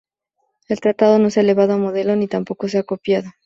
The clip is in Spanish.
El Tratado no se ha elevado a modelo ni tampoco se ha copiado.